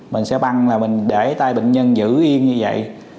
mình sẽ băng là mình để tay bệnh nhân giữ yên như vậy